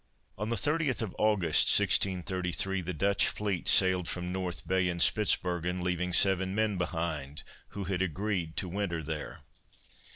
On the 30th of August 1633, the Dutch fleet sailed from North Bay, in Spitzbergen, leaving seven men behind, who had agreed to winter there.